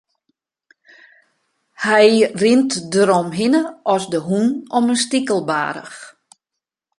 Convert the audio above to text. Hy rint deromhinne as de hûn om in stikelbaarch.